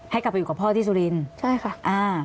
ให้กลับไปอยู่กับพ่อที่สุรินทร์ค่ะใช่ค่ะ